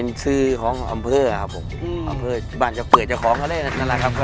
แล้วมาที่เค้าร่วมการนะคะ